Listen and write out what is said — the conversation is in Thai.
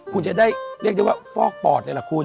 คุณจะได้เรียกได้ว่าฟอกปอดเลยล่ะคุณ